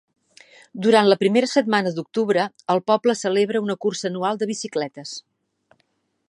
Durant la primera setmana d'octubre, el poble celebra una cursa anual de bicicletes.